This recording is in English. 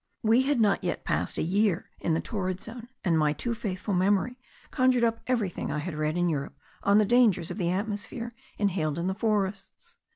We had not yet passed a year in the torrid zone and my too faithful memory conjured up everything I had read in Europe on the dangers of the atmosphere inhaled in the forests.